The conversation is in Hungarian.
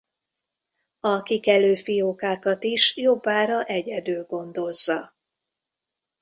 A kikelő fiókákat is jobbára egyedül gondozza.